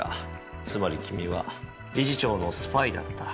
つまり君は理事長のスパイだった。